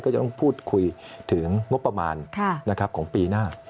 ก็จะต้องพูดคุยถึงงบประมาณของปีหน้า